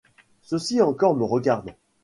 Ceci encore me regarde.